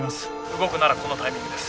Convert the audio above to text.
動くならこのタイミングです。